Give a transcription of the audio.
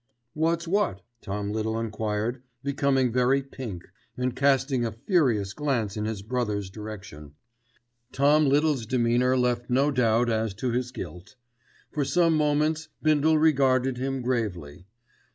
"What's what?" Tom Little enquired, becoming very pink, and casting a furious glance in his brother's direction. Tom Little's demeanour left no doubt as to his guilt. For some moments Bindle regarded him gravely.